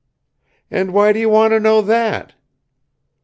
"And why do you want to know that?"